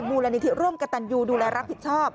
มูลนิธิร่วมกระตันยูดูแลรับผิดชอบ